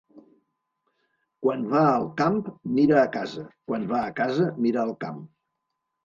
Quan va al camp, mira a casa; quan va a casa, mira al camp.